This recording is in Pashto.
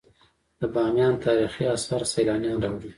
د بامیان تاریخي اثار سیلانیان راوړي